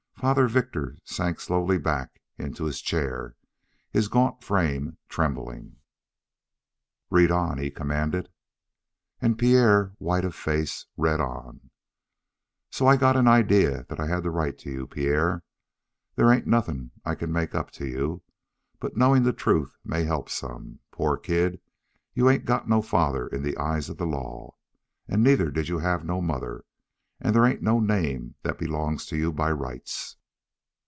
Father Victor sank slowly back into his chair, his gaunt frame trembling. "Read on," he commanded. And Pierre, white of face, read on: "So I got a idea that I had to write to you, Pierre. There ain't nothing I can make up to you, but knowing the truth may help some. Poor kid, you ain't got no father in the eyes of the law, and neither did you have no mother, and there ain't no name that belongs to you by rights.